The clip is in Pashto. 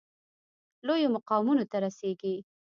لویو مقامونو ته رسیږي.